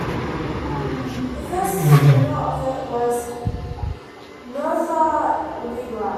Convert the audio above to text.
The first winner of it was Mirtha Legrand.